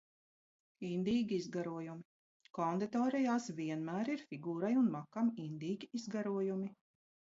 Indīgi izgarojumi. Konditorejās vienmēr ir figūrai un makam indīgi izgarojumi!